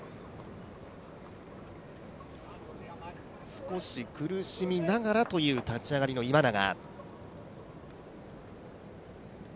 少し苦しみながらという立ち上がりの今永。